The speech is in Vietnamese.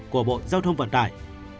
của bộ giao thông vận tải